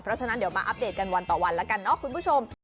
เพราะฉะนั้นเดี๋ยวมาอัปเดตกันวันต่อวันแล้วกันเนาะคุณผู้ชม